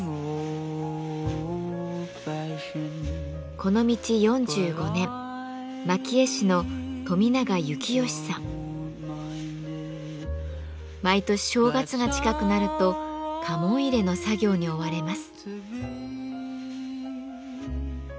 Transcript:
この道４５年毎年正月が近くなると家紋入れの作業に追われます。